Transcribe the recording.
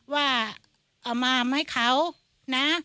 ว่าเอามาให้เขานะ